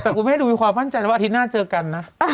แต่คุณแม่ดูมีความมั่นใจแล้วว่าอาทิตย์หน้าเจอกันนะ